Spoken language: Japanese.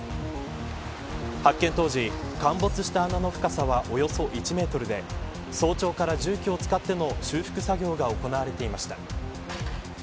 発見当時、陥没した穴の深さはおよそ１メートルで早朝から重機を使っての修復作業が行われていました。